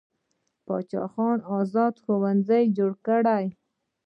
باچا خان ازاد ښوونځي جوړ کړل.